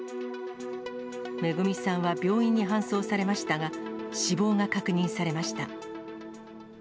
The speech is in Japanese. めぐみさんは病院に搬送されましたが、死亡が確認されました。